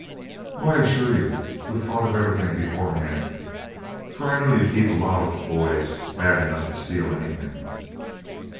Oh, I assure you we thought of everything beforehand; for I know you keep a lot of boys bad enough to steal anything."